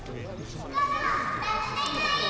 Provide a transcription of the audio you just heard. コロラムネがいい！